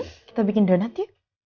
kita bikin donat ya